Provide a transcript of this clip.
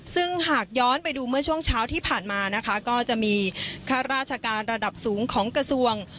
ซึ่งหากย้อนไปดูเมื่อช่วงเช้าที่ผ่านมานะคะก็จะมีข้าราชการระดับสูงของกระทรวง